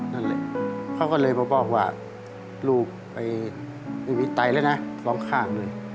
นั่นเลยเขาก็เลยบอกว่าลูกไปไม่มีไตเลยนะร้องข้างเลย